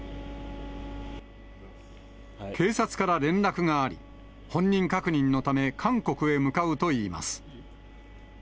警察から連絡があり、本人確認のため韓国へ向かうといいます。